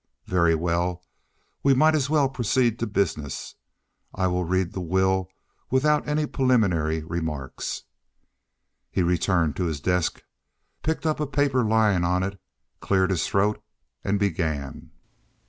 "Very well. We might as well proceed to business. I will just read the will without any preliminary remarks." He turned to his desk, picked up a paper lying upon it, cleared his throat, and began.